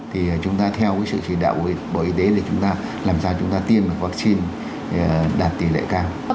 thì chúng ta theo cái sự chỉ đạo của bộ y tế để chúng ta làm sao chúng ta tiêm được vaccine đạt tỷ lệ cao